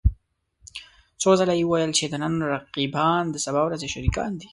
څو ځله يې وويل چې د نن رقيبان د سبا ورځې شريکان دي.